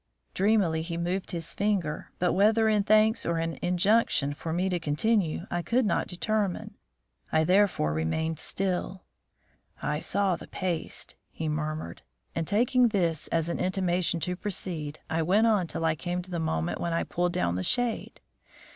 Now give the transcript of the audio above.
Dreamily he moved his finger, but whether in thanks or in an injunction for me to continue, I could not determine. I therefore remained still. "I saw the paste," he murmured. And taking this as an intimation to proceed, I went on till I came to the moment when I pulled down the shade.